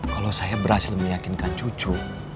kalau saya berhasil meyakinkan cucu